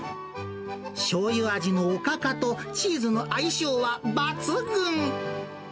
しょうゆ味のおかかと、チーズの相性は抜群。